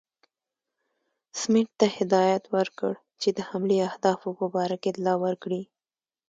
سمیت ته هدایت ورکړ چې د حملې اهدافو په باره کې اطلاع ورکړي.